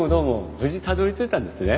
無事たどりついたんですね。